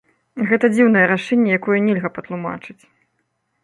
Гэта дзіўнае рашэнне, якое нельга патлумачыць.